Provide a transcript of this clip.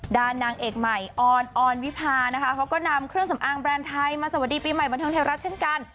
นางเอกใหม่ออนออนวิพานะคะเขาก็นำเครื่องสำอางแบรนด์ไทยมาสวัสดีปีใหม่บันเทิงไทยรัฐเช่นกัน